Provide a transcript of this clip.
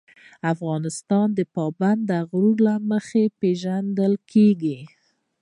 افغانستان د پابندی غرونه له مخې پېژندل کېږي.